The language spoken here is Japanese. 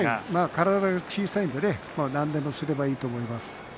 体が小さいので何でもすればいいと思います。